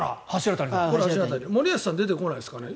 森保さん出てこないんですかね。